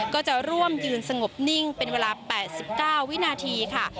ก็จะร่วมยืนสงบนิ่งเป็นเวลา๘๙วินาทีค่ะ